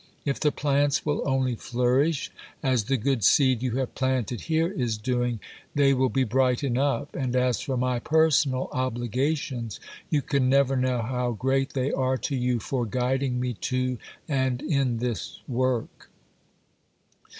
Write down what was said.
If the plants will only flourish, as the good seed you have planted here is doing, they will be bright enough; and as for my personal obligations, you can never know how great they are to you for guiding me to and in this work."